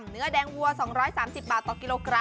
เนื้อแดงวัว๒๓๐บาตตก